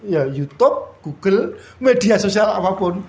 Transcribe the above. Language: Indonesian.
ya youtube google media sosial apapun